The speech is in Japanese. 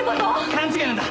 勘違いなんだ！